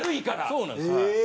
そうなんですよ。